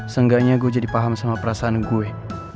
seenggaknya gue jadi paham sama perasaan gue